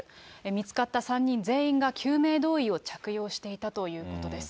見つかった３人全員が救命胴衣を着用していたということです。